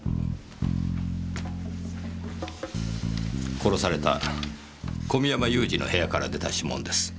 殺された小見山勇司の部屋から出た指紋です。